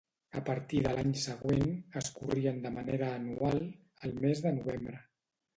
A partir de l'any següent, es corrien de manera anual, al mes de novembre.